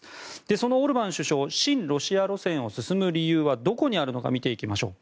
そのオルバン首相親ロシア路線を進む理由はどこにあるのか見ていきましょう。